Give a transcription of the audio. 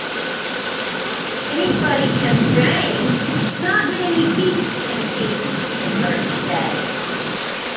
"Anybody can train but not many people can teach," McGirt said.